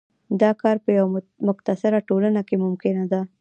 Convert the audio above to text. دا کار په یوه متکثره ټولنه کې ممکنه ده.